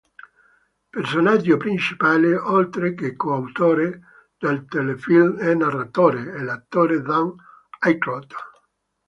Personaggio principale, oltre che coautore del telefilm e narratore, è l'attore Dan Aykroyd.